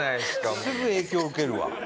すぐ影響受けるわ。